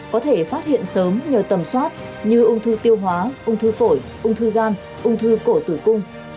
có thể phát hiện sớm nhờ tầm soát như ung thư tiêu hóa ung thư phổi ung thư gan ung thư cổ tử cung